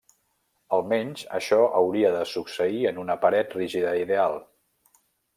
Almenys, això hauria de succeir en una paret rígida ideal.